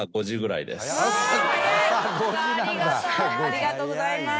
ありがとうございます。